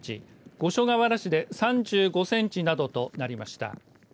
五所川原市で３５センチなどとなりました。